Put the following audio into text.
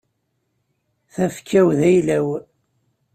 Tafekka-w d ayla-w.